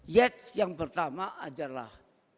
yet yang pertama adalah